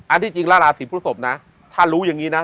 ที่จริงแล้วราศีพฤศพนะถ้ารู้อย่างนี้นะ